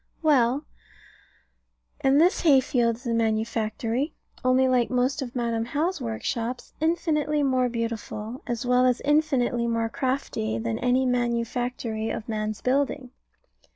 Well, and this hay field is a manufactory: only like most of Madam How's workshops, infinitely more beautiful, as well as infinitely more crafty, than any manufactory of man's building.